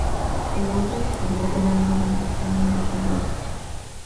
El borde exterior es algo desgastado y desigual.